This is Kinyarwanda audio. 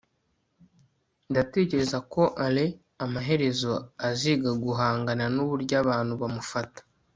ndatekereza ko alain amaherezo aziga guhangana nuburyo abantu bamufata